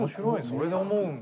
それで思うんだ。